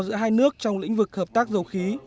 giữa hai nước trong lĩnh vực hợp tác dầu khí